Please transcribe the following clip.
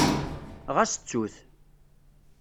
Ɣas ttut.